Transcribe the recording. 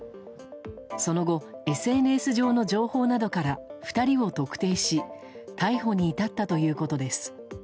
その後、ＳＮＳ上の情報などから２人を特定し逮捕に至ったということです。